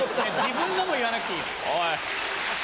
「自分の」も言わなくていいよ。